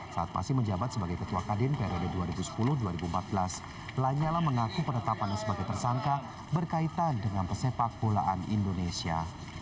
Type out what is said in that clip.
saat masih menjabat sebagai ketua kadin periode dua ribu sepuluh dua ribu empat belas lanyala mengaku penetapannya sebagai tersangka berkaitan dengan pesepak bolaan indonesia